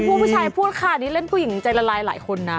ผู้ชายพูดค่ะนี่เล่นผู้หญิงใจละลายหลายคนนะ